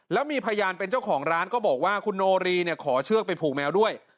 แล้วมีพยานเป็นเจ้าของร้านก็บอกว่าคุณโนรีเนี่ยขอเชือกไปผูกแมวด้วย